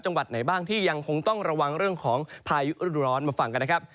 จังหวัดไหนบ้างที่ยังคงต้องระวังเรื่องของพายุฤดูร้อนมาฟังกันนะครับ